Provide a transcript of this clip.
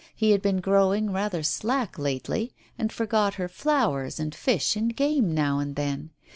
He had been growing rather slack lately, and forgot her flowers and fish and game now and then.